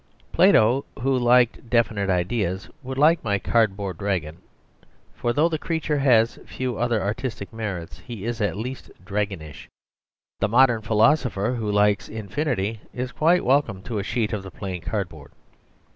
Plato, who liked definite ideas, would like my cardboard dragon; for though the creature has few other artistic merits he is at least dragonish. The modern philosopher, who likes infinity, is quite welcome to a sheet of the plain cardboard.